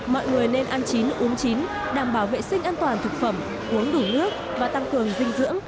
mọi người nên ăn chín uống chín đảm bảo vệ sinh an toàn thực phẩm uống đủ nước và tăng cường dinh dưỡng